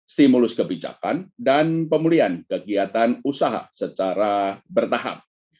stimulus kebijakan dan pemulihan kegiatan usaha secara bertahap